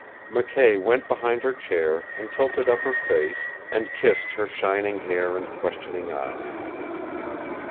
McKay went behind her chair, and tilted up her face, and kissed her shining hair and questioning eyes.